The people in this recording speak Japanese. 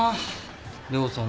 涼さん